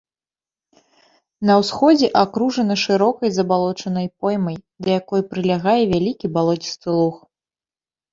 На ўсходзе акружана шырокай забалочанай поймай, да якой прылягае вялікі балоцісты луг.